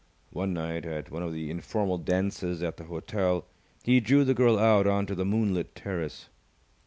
One night, at one of the informal dances at the hotel, he drew the girl out on to the moonlit terrace.